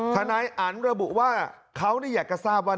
นายอันระบุว่าเขาอยากจะทราบว่า